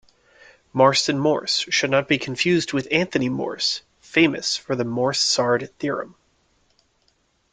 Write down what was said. Marston Morse should not be confused with Anthony Morse, famous for the Morse-Sard theorem.